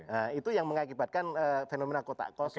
nah itu yang mengakibatkan fenomena kotak kosong